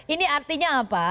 ini artinya apa